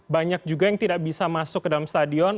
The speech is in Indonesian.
banyak juga yang tidak bisa masuk ke dalam stadion